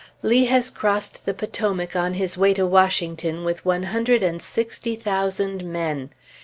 Lee has crossed the Potomac on his way to Washington with one hundred and sixty thousand men.